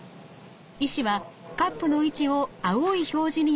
医師はカップの位置を青い表示によって確認できます。